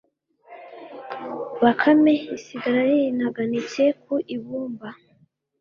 bakame isigara yinaganitse ku ibumba.